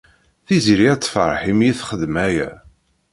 Tiziri ad tefṛeḥ imi i texdem aya.